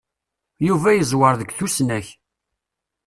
Yuba yeẓwwer deg tusnak.